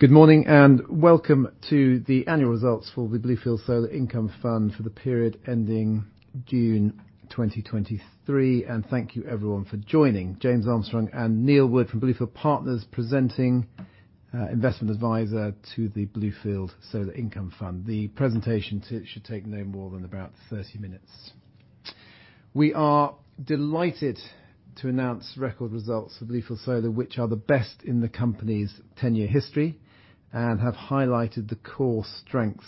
Good morning, and welcome to the annual results for the Bluefield Solar Income Fund for the period ending June 2023, and thank you, everyone, for joining. James Armstrong and Neil Wood from Bluefield Partners presenting, investment advisor to the Bluefield Solar Income Fund. The presentation should take no more than about 30 minutes. We are delighted to announce record results for Bluefield Solar, which are the best in the company's 10-year history and have highlighted the core strengths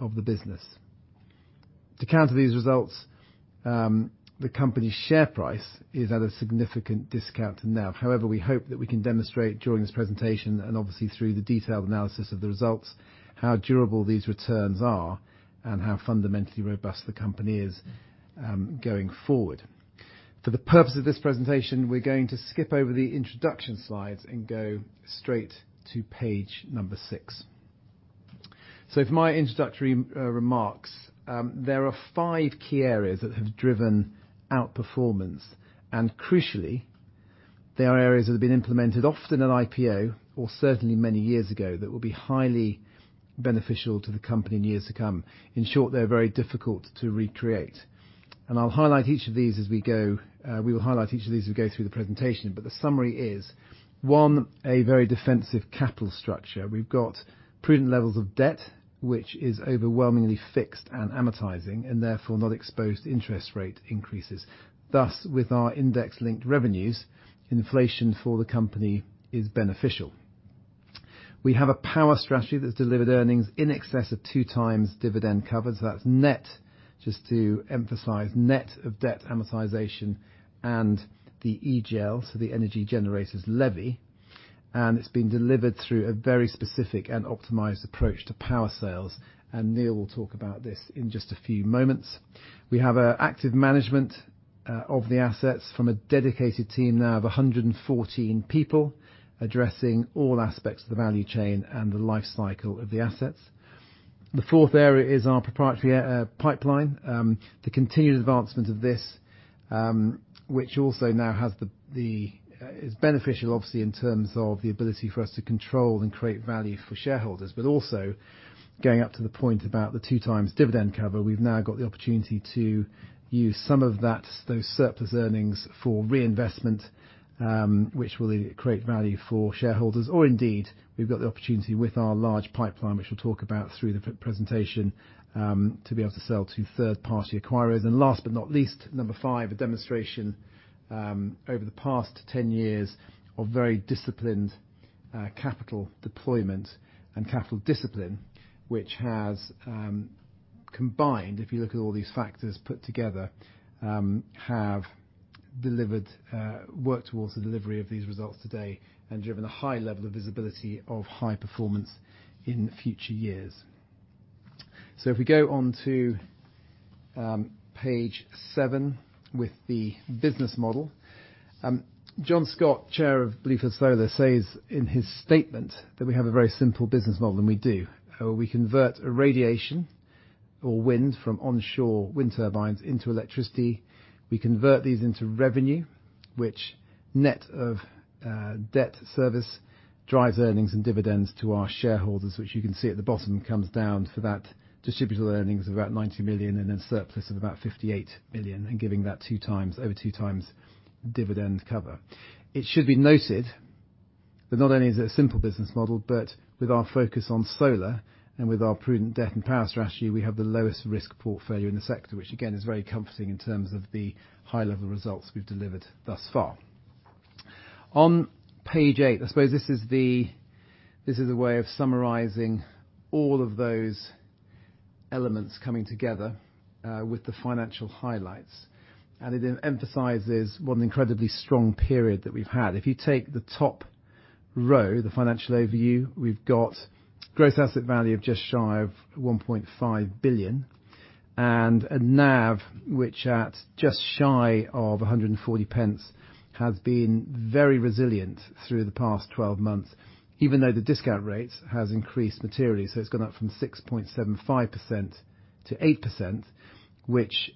of the business. To counter these results, the company's share price is at a significant discount to NAV. However, we hope that we can demonstrate during this presentation, and obviously through the detailed analysis of the results, how durable these returns are and how fundamentally robust the company is, going forward. For the purpose of this presentation, we're going to skip over the introduction slides and go straight to page number 6. So for my introductory remarks, there are five key areas that have driven outperformance, and crucially, they are areas that have been implemented often at IPO or certainly many years ago, that will be highly beneficial to the company in years to come. In short, they're very difficult to recreate, and I'll highlight each of these as we go. We will highlight each of these as we go through the presentation, but the summary is one, a very defensive capital structure. We've got prudent levels of debt, which is overwhelmingly fixed and amortizing, and therefore not exposed to interest rate increases. Thus, with our index-linked revenues, inflation for the company is beneficial. We have a power strategy that's delivered earnings in excess of 2x dividend cover. That's net, just to emphasize, net of debt amortization and the EGL, so the energy generators levy, and it's been delivered through a very specific and optimized approach to power sales, and Neil will talk about this in just a few moments. We have active management of the assets from a dedicated team now of 114 people, addressing all aspects of the value chain and the life cycle of the assets. The fourth area is our proprietary pipeline. The continued advancement of this, which also now is beneficial, obviously, in terms of the ability for us to control and create value for shareholders. But also, going up to the point about the two times dividend cover, we've now got the opportunity to use some of that, those surplus earnings for reinvestment, which will create value for shareholders, or indeed, we've got the opportunity with our large pipeline, which we'll talk about through the presentation, to be able to sell to third-party acquirers. And last but not least, number five, a demonstration, over the past 10 years of very disciplined, capital deployment and capital discipline, which has combined, if you look at all these factors put together, worked towards the delivery of these results today and driven a high level of visibility of high performance in future years. So if we go on to, page 7 with the business model. John Scott, Chair of Bluefield Solar, says in his statement that we have a very simple business model, and we do. We convert radiation or wind from onshore wind turbines into electricity. We convert these into revenue, which net of debt service, drives earnings and dividends to our shareholders, which you can see at the bottom, comes down for that distributable earnings of about 90 million and a surplus of about 58 million, and giving that 2x, over 2x dividend cover. It should be noted that not only is it a simple business model, but with our focus on solar and with our prudent debt and power strategy, we have the lowest risk portfolio in the sector, which again, is very comforting in terms of the high-level results we've delivered thus far. On page eight, I suppose this is the—this is a way of summarizing all of those elements coming together with the financial highlights, and it emphasizes what an incredibly strong period that we've had. If you take the top row, the financial overview, we've got Gross Asset Value of just shy of 1.5 billion and a NAV, which at just shy of 140 pence, has been very resilient through the past 12 months, even though the discount rate has increased materially. So it's gone up from 6.75% to 8%, which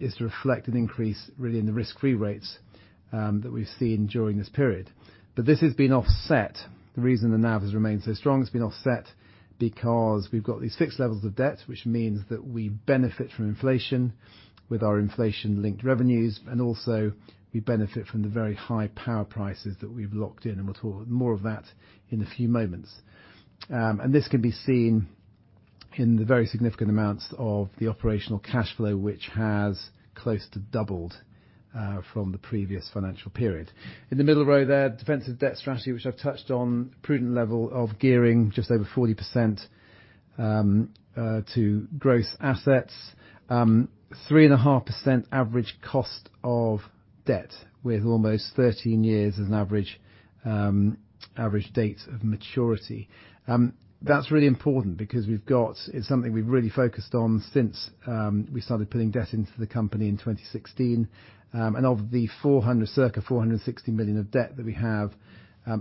is to reflect an increase, really, in the risk-free rates that we've seen during this period. But this has been offset. The reason the NAV has remained so strong, it's been offset because we've got these fixed levels of debt, which means that we benefit from inflation with our inflation-linked revenues, and also we benefit from the very high power prices that we've locked in, and we'll talk more of that in a few moments. And this can be seen in the very significant amounts of the operational cash flow, which has close to doubled from the previous financial period. In the middle row there, defensive debt strategy, which I've touched on, prudent level of gearing, just over 40% to gross assets. 3.5% average cost of debt, with almost 13 years as an average average date of maturity. That's really important because we've got. It's something we've really focused on since we started putting debt into the company in 2016. And of the circa 460 million of debt that we have,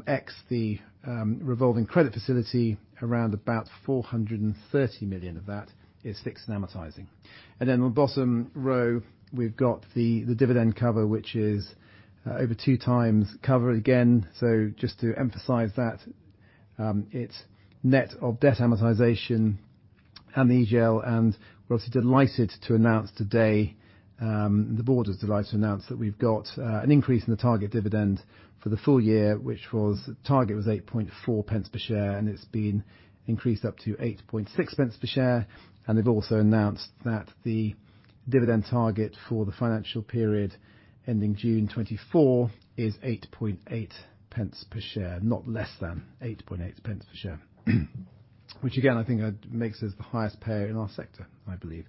ex the revolving credit facility, around about 430 million of that is fixed and amortizing. And then on the bottom row, we've got the dividend cover, which is over two times cover again. So just to emphasize that, it's net of debt amortization and the EGL, and we're obviously delighted to announce today, the board is delighted to announce that we've got an increase in the target dividend for the full year, which was, the target was 0.084 per share, and it's been increased up to 0.086 per share. They've also announced that the dividend target for the financial period ending June 2024 is 0.088 per share, not less than 0.088 per share. Which again, I think, makes us the highest payer in our sector, I believe.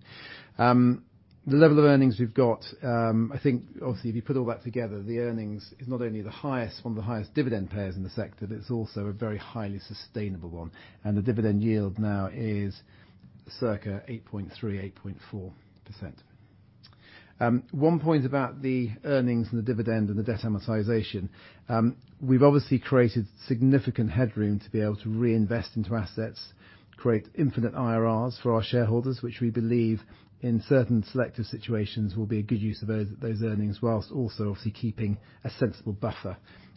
The level of earnings we've got, I think obviously, if you put all that together, the earnings is not only the highest, one of the highest dividend payers in the sector, but it's also a very highly sustainable one, and the dividend yield now is circa 8.3%-8.4%. One point about the earnings and the dividend and the debt amortization. We've obviously created significant headroom to be able to reinvest into our assets, create infinite IRRs for our shareholders, which we believe in certain selective situations, will be a good use of those earnings, while also obviously keeping a sensible buffer.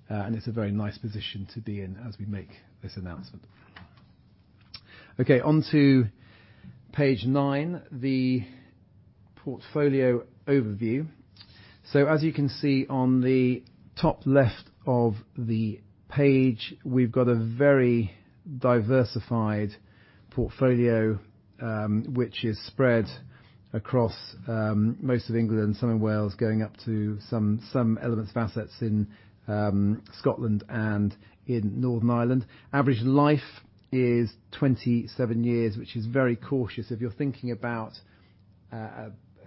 And it's a very nice position to be in as we make this announcement. Okay, on to page nine, the portfolio overview. So as you can see on the top left of the page, we've got a very diversified portfolio, which is spread across most of England, some in Wales, going up to some elements of assets in Scotland and in Northern Ireland. Average life is 27 years, which is very cautious. If you're thinking about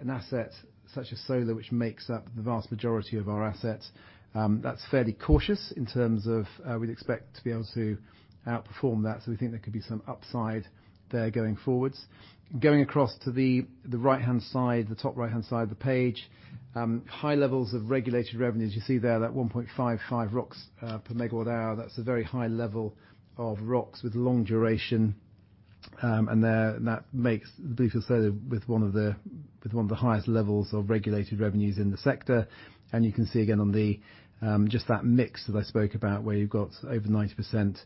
an asset such as solar, which makes up the vast majority of our assets, that's fairly cautious in terms of we'd expect to be able to outperform that. So we think there could be some upside there going forwards. Going across to the right-hand side, the top right-hand side of the page. High levels of regulated revenues. You see there, that 1.55 ROCs per megawatt hour, that's a very high level of ROCs with long duration. And there, that makes Bluefield Solar with one of the highest levels of regulated revenues in the sector. You can see again on the just that mix that I spoke about, where you've got over 90%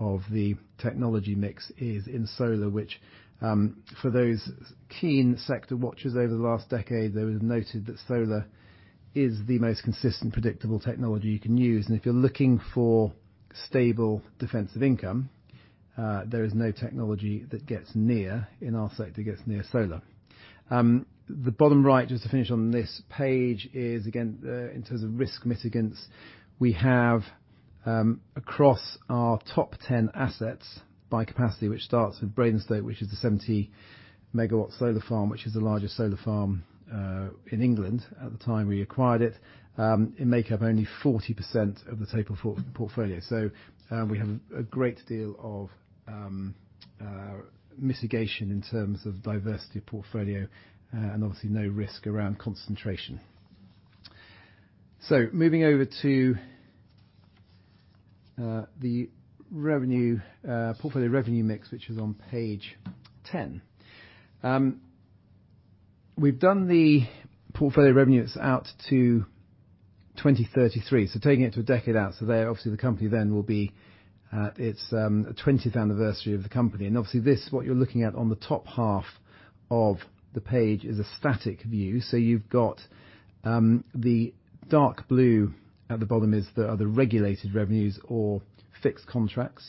of the technology mix is in solar, which, for those keen sector watchers over the last decade, they would have noted that solar is the most consistent, predictable technology you can use. If you're looking for stable defensive income, there is no technology that gets near in our sector, gets near solar. The bottom right, just to finish on this page, is again in terms of risk Mitigants. We have across our top 10 assets by capacity, which starts with Bradenstoke, which is the 70-megawatt solar farm, which is the largest solar farm in England at the time we acquired it. They make up only 40% of the total portfolio. So, we have a great deal of mitigation in terms of diversity of portfolio, and obviously no risk around concentration. So moving over to the revenue portfolio revenue mix, which is on page 10. We've done the portfolio revenue; it's out to 2033, so taking it to a decade out. So there, obviously, the company then will be at its twentieth anniversary of the company. And obviously, this, what you're looking at on the top half of the page is a static view. So you've got the dark blue at the bottom is the, are the regulated revenues or fixed contracts,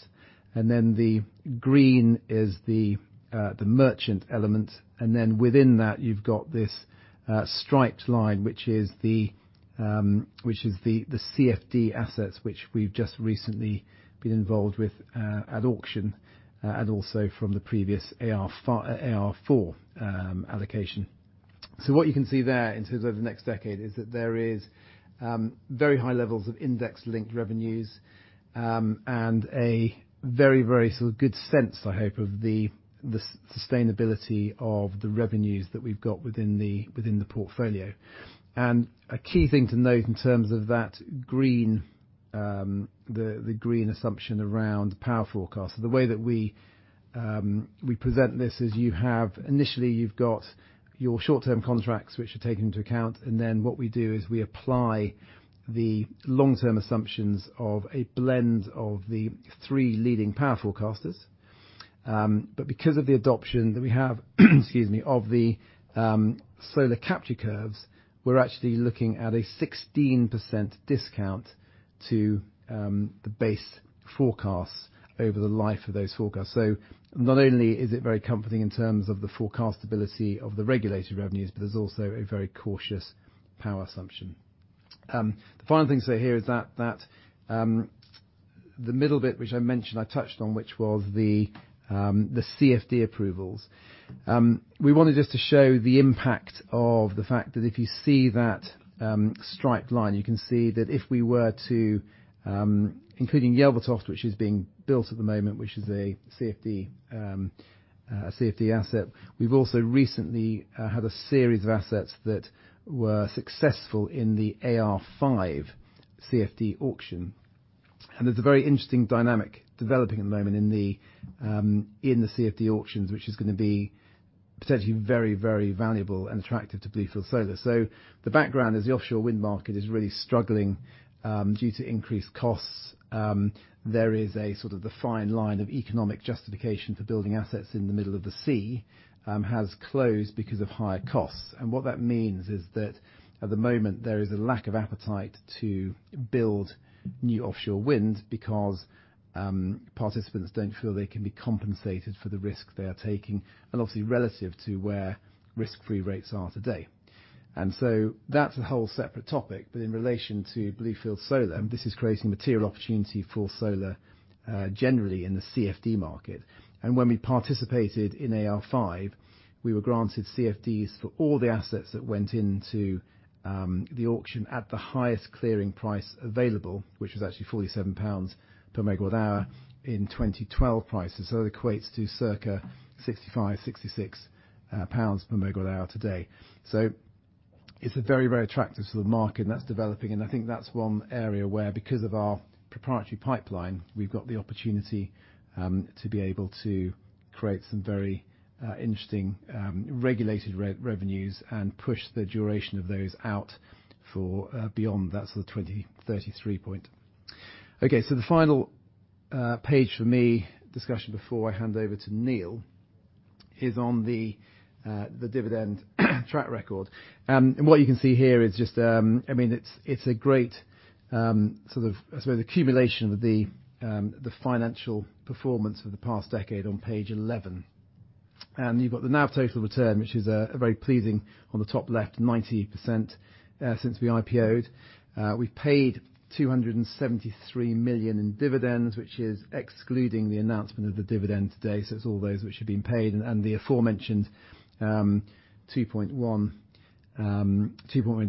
and then the green is the the merchant element. And then within that, you've got this striped line, which is the CFD assets, which we've just recently been involved with at auction, and also from the previous AR4 allocation. So what you can see there in terms of the next decade is that there is very high levels of index-linked revenues, and a very, very sort of good sense, I hope, of the sustainability of the revenues that we've got within the portfolio. And a key thing to note in terms of that green assumption around power forecast. So the way that we present this is you have initially, you've got your short-term contracts, which are taken into account, and then what we do is we apply the long-term assumptions of a blend of the three leading power forecasters. But because of the adoption that we have, excuse me, of the solar capture curves, we're actually looking at a 16% discount to the base forecasts over the life of those forecasts. So not only is it very comforting in terms of the forecast ability of the regulated revenues, but there's also a very cautious power assumption. The final thing to say here is that the middle bit, which I mentioned, I touched on, which was the CfD approvals. We wanted just to show the impact of the fact that if you see that striped line, you can see that if we were to including Yelvertoft, which is being built at the moment, which is a CFD, CFD asset. We've also recently had a series of assets that were successful in the AR5 CFD auction, and there's a very interesting dynamic developing at the moment in the in the CFD auctions, which is gonna be potentially very, very valuable and attractive to Bluefield Solar. So the background is the offshore wind market is really struggling due to increased costs. There is a sort of the fine line of economic justification for building assets in the middle of the sea has closed because of higher costs. What that means is that at the moment, there is a lack of appetite to build new offshore wind because participants don't feel they can be compensated for the risk they are taking, and obviously, relative to where risk-free rates are today. So that's a whole separate topic. But in relation to Bluefield Solar, this is creating material opportunity for solar generally in the CFD market. And when we participated in AR5, we were granted CFDs for all the assets that went into the auction at the highest clearing price available, which was actually 47 pounds per MWh in 2012 prices. So it equates to circa 65, 66 pounds per MWh today. So it's a very, very attractive sort of market, and that's developing, and I think that's one area where, because of our proprietary pipeline, we've got the opportunity to be able to create some very interesting regulated revenues, and push the duration of those out for beyond that sort of 2033 point. Okay, so the final page for me, discussion before I hand over to Neil, is on the dividend track record. And what you can see here is just, I mean, it's, it's a great sort of, I suppose, accumulation of the financial performance for the past decade on page 11. And you've got the NAV total return, which is a very pleasing on the top left, 90%, since we IPO's. We've paid 273 million in dividends, which is excluding the announcement of the dividend today, so it's all those which have been paid, and the aforementioned 2.1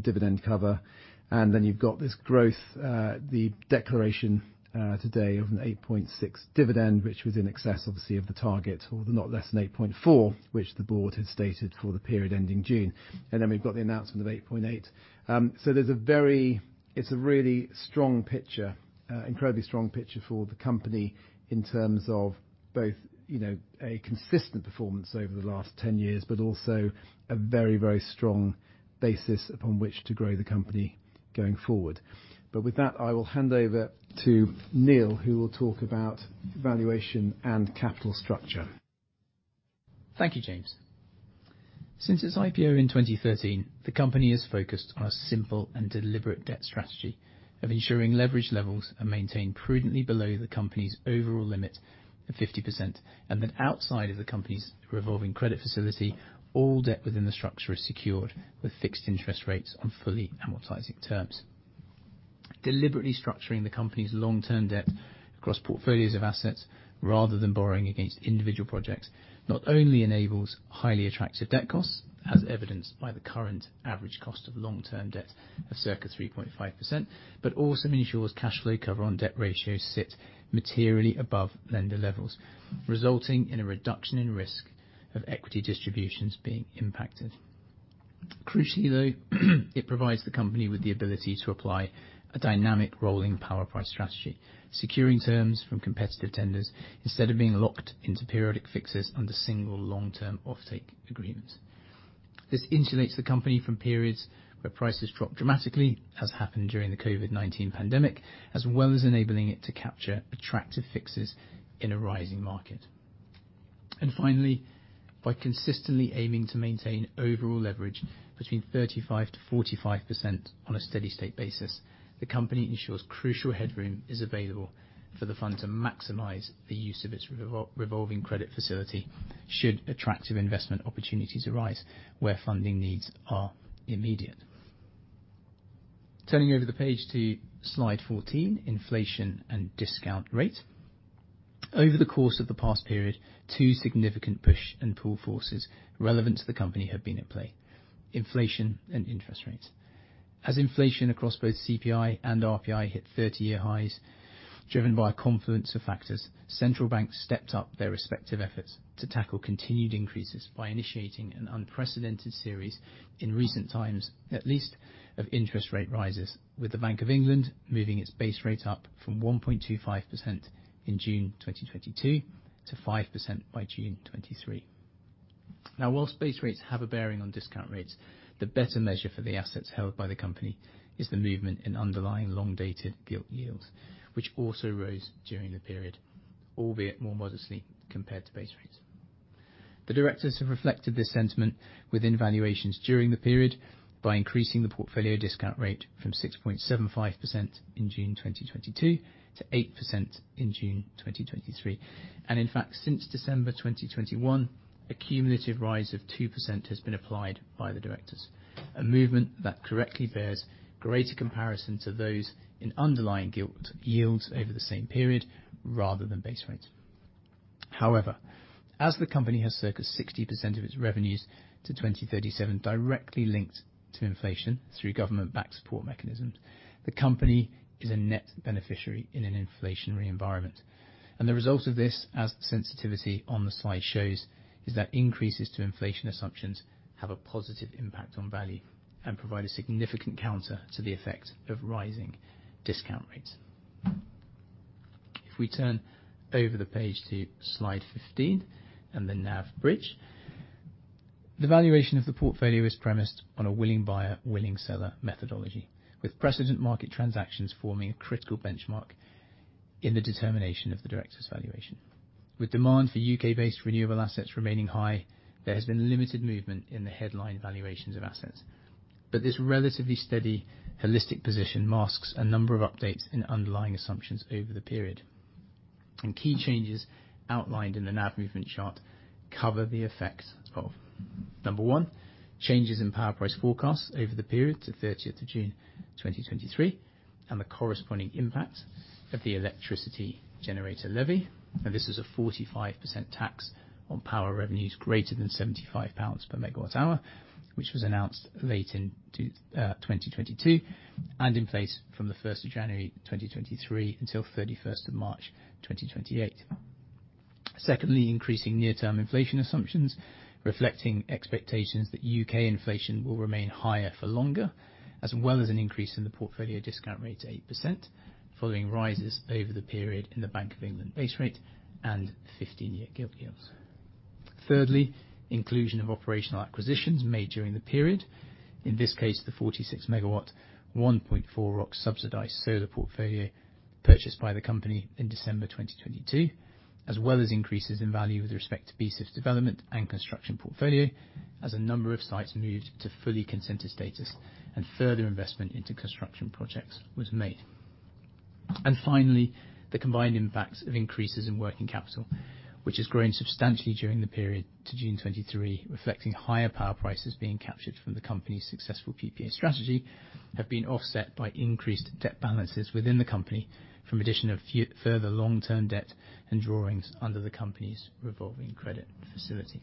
dividend cover. And then you've got this growth, the declaration today of an 8.6 dividend, which was in excess, obviously, of the target, or the not less than 8.4, which the board had stated for the period ending June. And then we've got the announcement of 8.8. So there's a very, it's a really strong picture, incredibly strong picture for the company in terms of both, you know, a consistent performance over the last 10 years, but also a very, very strong basis upon which to grow the company going forward. With that, I will hand over to Neil, who will talk about valuation and capital structure. Thank you, James. Since its IPO in 2013, the company has focused on a simple and deliberate debt strategy of ensuring leverage levels are maintained prudently below the company's overall limit of 50%, and that outside of the company's revolving credit facility, all debt within the structure is secured with fixed interest rates on fully amortizing terms. Deliberately structuring the company's long-term debt across portfolios of assets, rather than borrowing against individual projects, not only enables highly attractive debt costs, as evidenced by the current average cost of long-term debt of circa 3.5%, but also ensures cash flow cover on debt ratios sit materially above lender levels, resulting in a reduction in risk of equity distributions being impacted. Crucially, though, it provides the company with the ability to apply a dynamic rolling power price strategy, securing terms from competitive tenders instead of being locked into periodic fixes under single long-term offtake agreements. This insulates the company from periods where prices drop dramatically, as happened during the COVID-19 pandemic, as well as enabling it to capture attractive fixes in a rising market. And finally, by consistently aiming to maintain overall leverage between 35%-45% on a steady state basis, the company ensures crucial headroom is available for the fund to maximize the use of its revolving credit facility should attractive investment opportunities arise, where funding needs are immediate. Turning over the page to slide 14, inflation and discount rate. Over the course of the past period, two significant push and pull forces relevant to the company have been at play: inflation and interest rates. As inflation across both CPI and RPI hit 30-year highs, driven by a confluence of factors, central banks stepped up their respective efforts to tackle continued increases by initiating an unprecedented series, in recent times, at least, of interest rate rises, with the Bank of England moving its base rate up from 1.25% in June 2022 to 5% by June 2023. Now, whilst base rates have a bearing on discount rates, the better measure for the assets held by the company is the movement in underlying long-dated gilt yields, which also rose during the period, albeit more modestly compared to base rates. The directors have reflected this sentiment within valuations during the period by increasing the portfolio discount rate from 6.75% in June 2022 to 8% in June 2023. In fact, since December 2021, a cumulative rise of 2% has been applied by the directors, a movement that correctly bears greater comparison to those in underlying gilt yields over the same period rather than base rates. However, as the company has circa 60% of its revenues to 2037 directly linked to inflation through government-backed support mechanisms, the company is a net beneficiary in an inflationary environment. The result of this, as the sensitivity on the slide shows, is that increases to inflation assumptions have a positive impact on value and provide a significant counter to the effect of rising discount rates. If we turn over the page to slide 15, and the NAV bridge. The valuation of the portfolio is premised on a willing buyer, willing seller methodology, with precedent market transactions forming a critical benchmark in the determination of the directors' valuation. With demand for UK-based renewable assets remaining high, there has been limited movement in the headline valuations of assets. But this relatively steady, holistic position masks a number of updates in underlying assumptions over the period. Key changes outlined in the NAV movement chart cover the effects of: one, changes in power price forecasts over the period to 30th of June 2023, and the corresponding impact of the Electricity Generator Levy. This is a 45% tax on power revenues greater than 75 pounds per MWh, which was announced late in 2022, and in place from 1 January 2023, until 31st of March 2028. Secondly, increasing near-term inflation assumptions, reflecting expectations that U.K. inflation will remain higher for longer, as well as an increase in the portfolio discount rate to 8%, following rises over the period in the Bank of England base rate and 15-year gilt yields. Thirdly, inclusion of operational acquisitions made during the period, in this case, the 46 MW, 1.4 ROC subsidized solar portfolio purchased by the company in December 2022, as well as increases in value with respect to BSIF's development and construction portfolio, as a number of sites moved to fully consented status and further investment into construction projects was made. And finally, the combined impacts of increases in working capital, which has grown substantially during the period to June 2023, reflecting higher power prices being captured from the company's successful PPA strategy, have been offset by increased debt balances within the company from addition of further long-term debt and drawings under the company's revolving credit facility.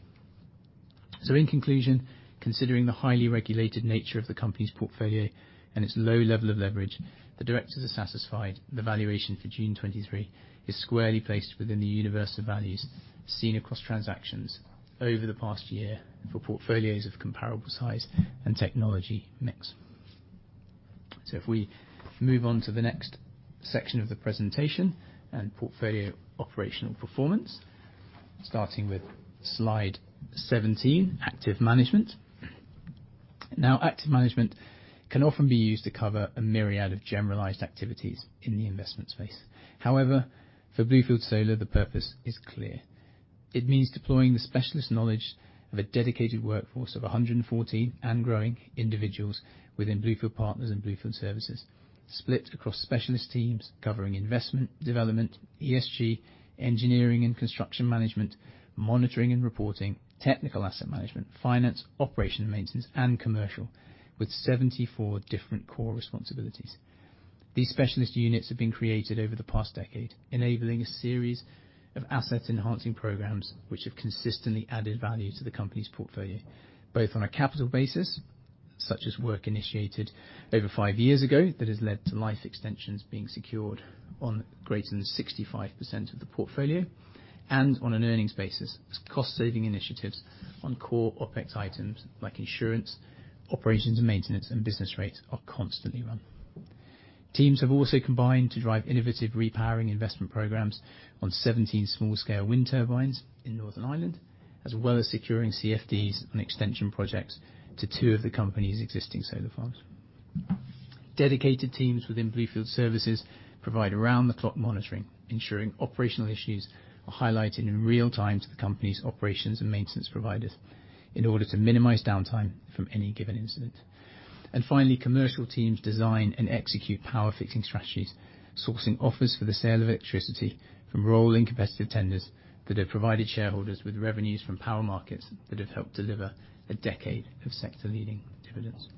So in conclusion, considering the highly regulated nature of the company's portfolio and its low level of leverage, the directors are satisfied the valuation for June 2023 is squarely placed within the universe of values seen across transactions over the past year for portfolios of comparable size and technology mix. So if we move on to the next section of the presentation and portfolio operational performance, starting with slide 17, active management. Now, active management can often be used to cover a myriad of generalized activities in the investment space. However, for Bluefield Solar, the purpose is clear. It means deploying the specialist knowledge of a dedicated workforce of 114, and growing, individuals within Bluefield Partners and Bluefield Services, split across specialist teams covering investment development, ESG, engineering and construction management, monitoring and reporting, technical asset management, finance, operation and maintenance, and commercial, with 74 different core responsibilities. These specialist units have been created over the past decade, enabling a series of asset-enhancing programs, which have consistently added value to the company's portfolio, both on a capital basis, such as work initiated over 5 years ago, that has led to life extensions being secured on greater than 65% of the portfolio, and on an earnings basis, as cost-saving initiatives on core OpEx items like insurance, operations and maintenance, and business rates are constantly run. Teams have also combined to drive innovative repowering investment programs on 17 small-scale wind turbines in Northern Ireland, as well as securing CFDs on extension projects to two of the company's existing solar farms. Dedicated teams within Bluefield Services provide around-the-clock monitoring, ensuring operational issues are highlighted in real time to the company's operations and maintenance providers in order to minimize downtime from any given incident. Finally, commercial teams design and execute power fixing strategies, sourcing offers for the sale of electricity from rolling competitive tenders that have provided shareholders with revenues from power markets that have helped deliver a decade of sector-leading dividends.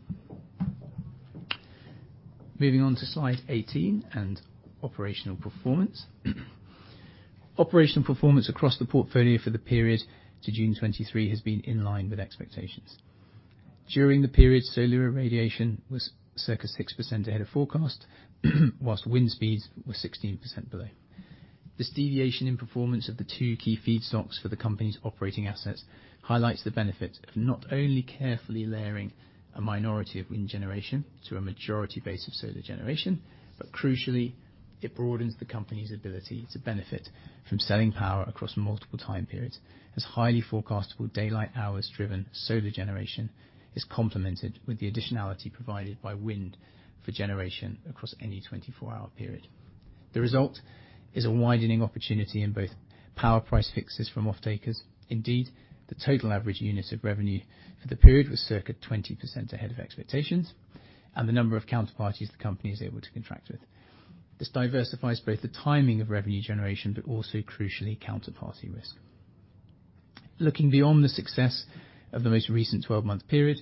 Moving on to slide 18, and operational performance. Operational performance across the portfolio for the period to June 2023 has been in line with expectations. During the period, solar irradiation was circa 6% ahead of forecast, while wind speeds were 16% below. This deviation in performance of the two key feed stocks for the company's operating assets, highlights the benefit of not only carefully layering a minority of wind generation to a majority base of solar generation, but crucially, it broadens the company's ability to benefit from selling power across multiple time periods, as highly forecastable daylight hours-driven solar generation is complemented with the additionality provided by wind for generation across any 24-hour period. The result is a widening opportunity in both power price fixes from off takers. Indeed, the total average unit of revenue for the period was circa 20% ahead of expectations, and the number of counterparties the company is able to contract with. This diversifies both the timing of revenue generation, but also, crucially, counterparty risk. Looking beyond the success of the most recent 12-month period,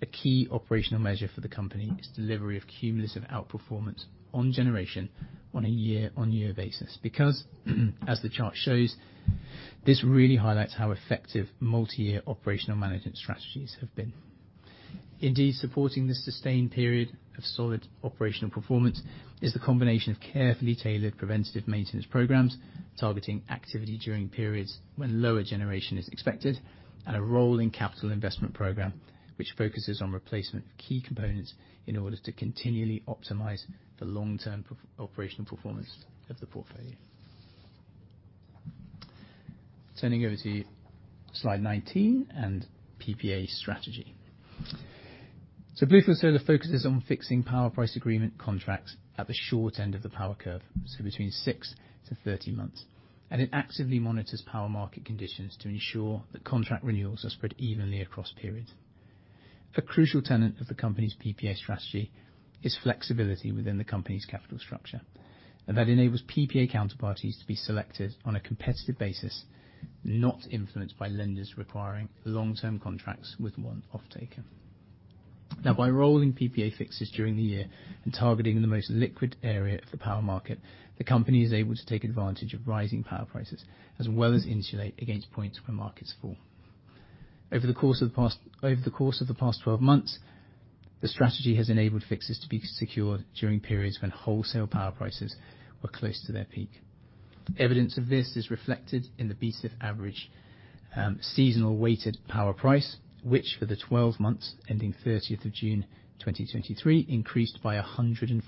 a key operational measure for the company is delivery of cumulative outperformance on generation on a year-on-year basis. Because, as the chart shows, this really highlights how effective multi-year operational management strategies have been. Indeed, supporting this sustained period of solid operational performance is the combination of carefully tailored preventative maintenance programs, targeting activity during periods when lower generation is expected, and a rolling capital investment program, which focuses on replacement of key components in order to continually optimize the long-term performance of the portfolio. Turning over to slide 19 and PPA strategy. So Bluefield Solar focuses on fixing power purchase agreement contracts at the short end of the power curve, so between 6-13 months, and it actively monitors power market conditions to ensure that contract renewals are spread evenly across periods. A crucial tenet of the company's PPA strategy is flexibility within the company's capital structure, and that enables PPA counterparties to be selected on a competitive basis, not influenced by lenders requiring long-term contracts with one off taker. Now, by rolling PPA fixes during the year and targeting the most liquid area of the power market, the company is able to take advantage of rising power prices, as well as insulate against points where markets fall. Over the course of the past 12 months, the strategy has enabled fixes to be secured during periods when wholesale power prices were close to their peak. Evidence of this is reflected in the BSIF average seasonal weighted power price, which for the 12 months ending 30th of June 2023, increased by 147%,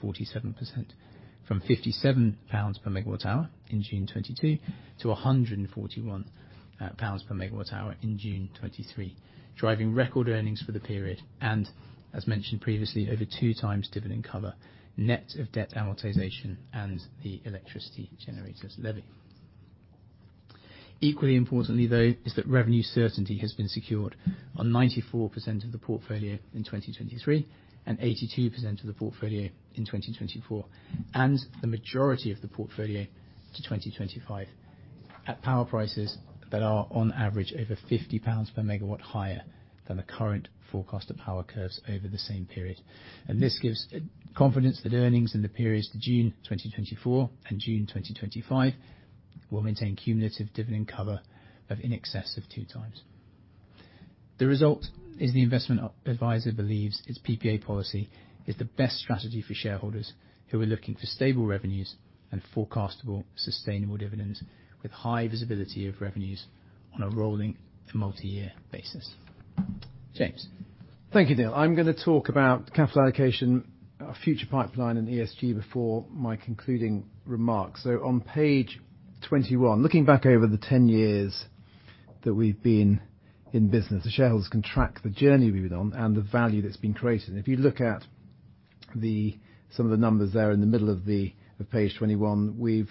from 57 pounds per MWh in June 2022 to 141 pounds per MWh in June 2023, driving record earnings for the period, and as mentioned previously, over 2x dividend cover, net of debt amortization and the Electricity Generator Levy. Equally importantly, though, is that revenue certainty has been secured on 94% of the portfolio in 2023 and 82% of the portfolio in 2024, and the majority of the portfolio to 2025, at power prices that are, on average, over 50 pounds per MWh higher than the current forecast of power curves over the same period. This gives confidence that earnings in the periods to June 2024 and June 2025 will maintain cumulative dividend cover of in excess of 2x. The result is the investment advisor believes its PPA policy is the best strategy for shareholders who are looking for stable revenues and forecastable sustainable dividends, with high visibility of revenues on a rolling and multi-year basis. James? Thank you, Neil. I'm gonna talk about capital allocation, our future pipeline and ESG before my concluding remarks. So on page 21, looking back over the 10 years that we've been in business, the shareholders can track the journey we've been on and the value that's been created. If you look at some of the numbers there in the middle of page 21,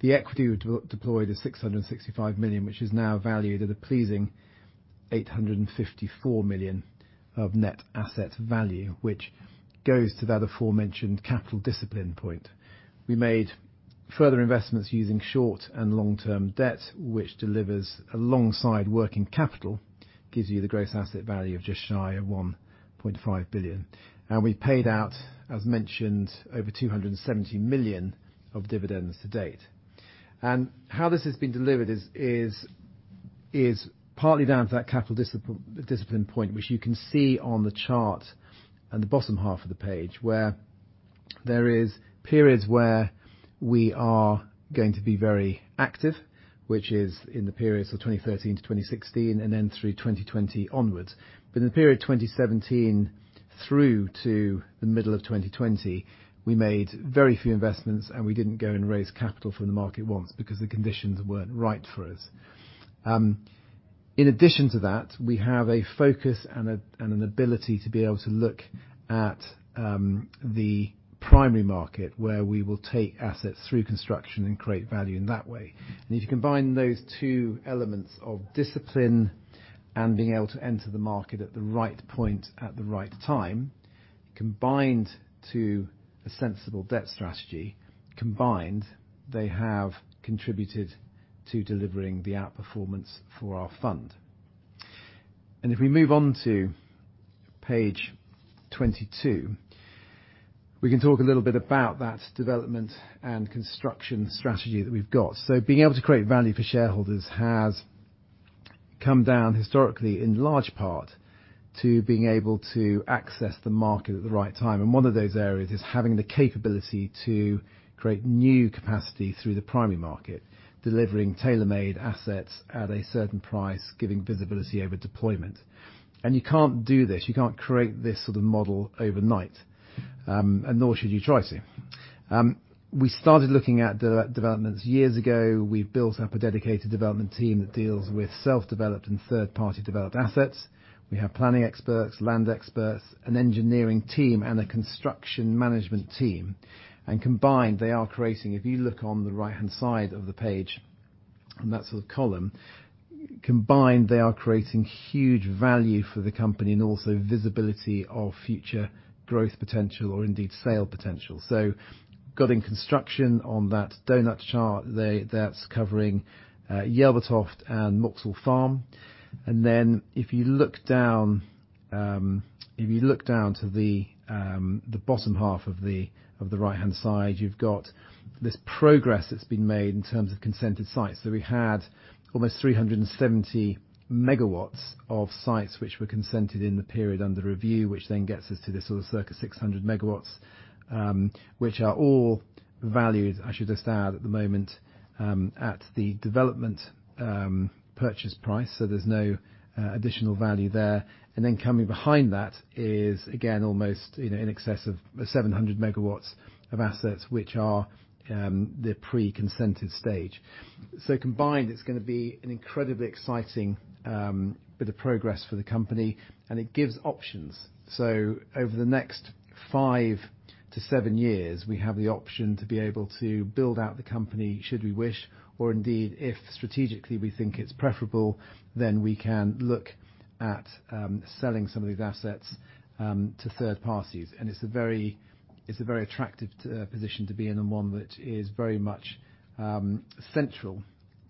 the equity we've deployed is 665 million, which is now valued at a pleasing 854 million of net asset value, which goes to that aforementioned capital discipline point. We made further investments using short and long-term debt, which delivers alongside working capital, gives you the gross asset value of just shy of 1.5 billion. And we paid out, as mentioned, over 270 million of dividends to date. And how this has been delivered is partly down to that capital discipline point, which you can see on the chart at the bottom half of the page, where there is periods where we are going to be very active, which is in the periods of 2013 to 2016, and then through 2020 onwards. But in the period 2017 through to the middle of 2020, we made very few investments, and we didn't go and raise capital from the market once, because the conditions weren't right for us. In addition to that, we have a focus and an ability to be able to look at the primary market, where we will take assets through construction and create value in that way. If you combine those two elements of discipline and being able to enter the market at the right point, at the right time, combined to a sensible debt strategy, combined, they have contributed to delivering the outperformance for our fund. If we move on to page 22, we can talk a little bit about that development and construction strategy that we've got. Being able to create value for shareholders has come down historically, in large part, to being able to access the market at the right time. One of those areas is having the capability to create new capacity through the primary market, delivering tailor-made assets at a certain price, giving visibility over deployment. You can't do this, you can't create this sort of model overnight, and nor should you try to. We started looking at developments years ago. We've built up a dedicated development team that deals with self-developed and third-party developed assets. We have planning experts, land experts, an engineering team, and a construction management team, and combined, they are creating. If you look on the right-hand side of the page, on that sort of column, combined, they are creating huge value for the company and also visibility of future growth potential or indeed, sale potential. So got in construction on that donut chart, they- that's covering, Yelvertoft and Moxhull Farm. And then, if you look down, if you look down to the, the bottom half of the, of the right-hand side, you've got this progress that's been made in terms of consented sites. So we had almost 370 MW of sites which were consented in the period under review, which then gets us to this sort of circa 600 MW, which are all valued, I should just add, at the moment, at the development purchase price, so there's no additional value there. And then coming behind that is, again, almost, you know, in excess of 700 MW of assets which are the pre-consented stage. So combined, it's gonna be an incredibly exciting bit of progress for the company, and it gives options. So over the next 5-7 years, we have the option to be able to build out the company should we wish, or indeed, if strategically we think it's preferable, then we can look at selling some of these assets to third parties. And it's a very, it's a very attractive position to be in, and one that is very much central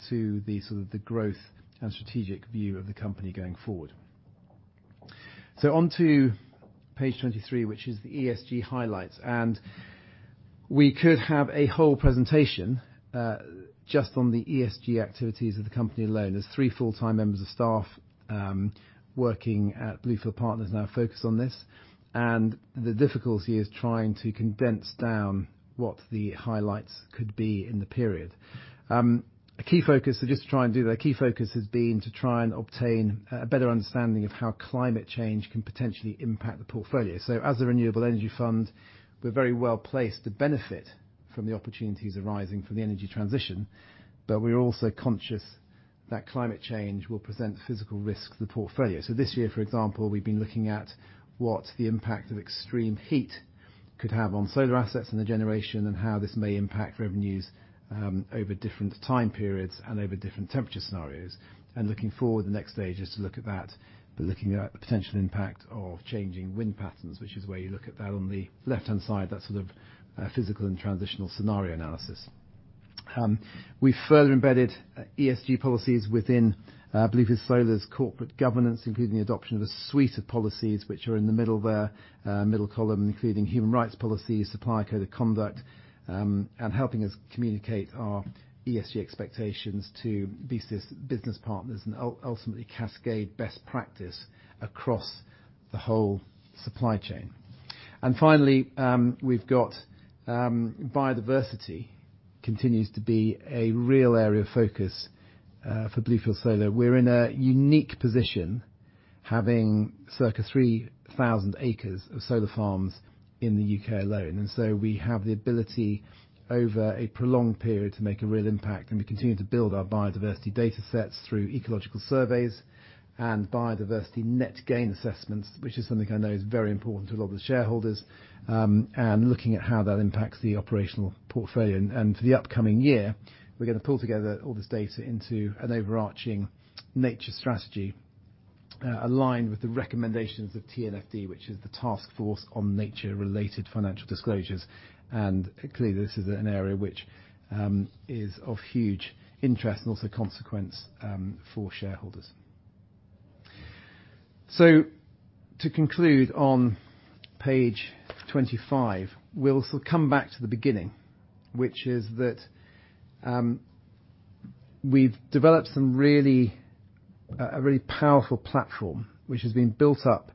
to the sort of the growth and strategic view of the company going forward. So on to page 23, which is the ESG highlights. And we could have a whole presentation just on the ESG activities of the company alone. There's three full-time members of staff working at Bluefield Partners now focused on this. And the difficulty is trying to condense down what the highlights could be in the period. A key focus, so just to try and do that, a key focus has been to try and obtain a better understanding of how climate change can potentially impact the portfolio. So as a renewable energy fund, we're very well placed to benefit from the opportunities arising from the energy transition, but we're also conscious that climate change will present physical risks to the portfolio. So this year, for example, we've been looking at what the impact of extreme heat could have on solar assets and the generation, and how this may impact revenues over different time periods and over different temperature scenarios. And looking forward, the next stage is to look at that, but looking at the potential impact of changing wind patterns, which is where you look at that on the left-hand side, that sort of physical and transitional scenario analysis. We've further embedded ESG policies within Bluefield Solar's corporate governance, including the adoption of a suite of policies which are in the middle there, middle column, including human rights policies, supply code of conduct, and helping us communicate our ESG expectations to business, business partners and ultimately cascade best practice across the whole supply chain. Finally, we've got biodiversity continues to be a real area of focus for Bluefield Solar. We're in a unique position, having circa 3,000 acres of solar farms in the UK alone, and so we have the ability, over a prolonged period, to make a real impact, and we continue to build our biodiversity data sets through ecological surveys and biodiversity net gain assessments, which is something I know is very important to a lot of the shareholders, and looking at how that impacts the operational portfolio. And for the upcoming year, we're gonna pull together all this data into an overarching nature strategy, aligned with the recommendations of TNFD, which is the Taskforce on Nature-related Financial Disclosures. And clearly, this is an area which is of huge interest and also consequence for shareholders. So to conclude on page 25, we'll sort of come back to the beginning, which is that we've developed a really powerful platform, which has been built up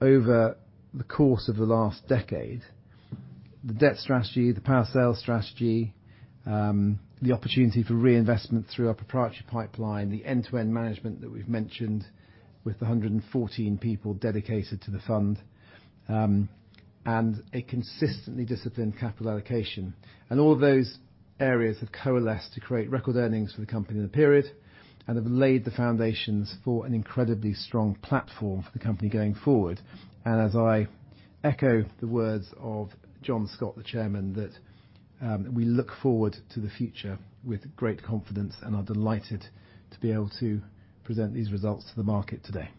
over the course of the last decade. The debt strategy, the power sales strategy, the opportunity for reinvestment through our proprietary pipeline, the end-to-end management that we've mentioned with the 114 people dedicated to the fund, and a consistently disciplined capital allocation. And all those areas have coalesced to create record earnings for the company in the period and have laid the foundations for an incredibly strong platform for the company going forward. And as I echo the words of John Scott, the Chairman, that we look forward to the future with great confidence and are delighted to be able to present these results to the market today.